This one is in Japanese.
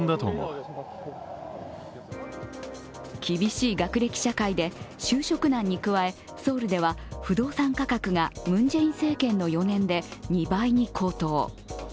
厳しい学歴社会で就職難に加えソウルでは不動産価格がムン・ジェイン政権の４年で２倍に高騰。